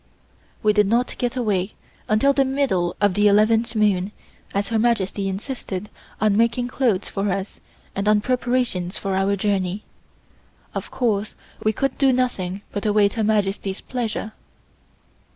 We did not get away until the middle of the eleventh moon, as Her Majesty insisted on making clothes for us and other preparations for our journey. Of course we could do nothing but await Her Majesty's pleasure.